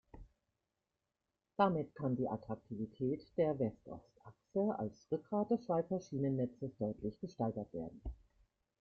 Damit kann die Attraktivität der West-Ost-Achse als Rückgrat des Schweizer Schienennetzes deutlich gesteigert werden.